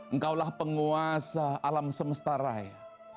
engkaulah penguasa alam semesta raya